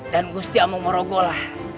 dan gusti amung marugul